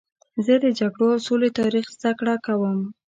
زه د جګړو او سولې تاریخ زدهکړه کوم.